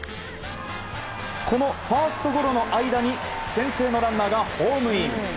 このファーストゴロの間に先制のランナーがホームイン。